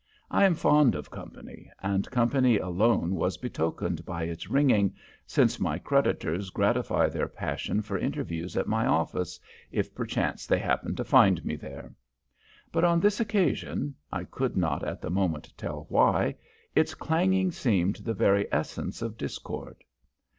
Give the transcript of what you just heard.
I am fond of company, and company alone was betokened by its ringing, since my creditors gratify their passion for interviews at my office, if perchance they happen to find me there. But on this occasion I could not at the moment tell why its clanging seemed the very essence of discord.